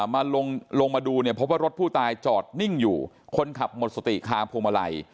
มาลงลงมาดูเนี่ยพบว่ารถผู้ตายจอดนิ่งอยู่คนขับหมดสติคาพวงมาลัย